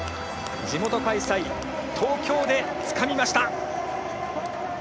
地元開催、東京でつかみました！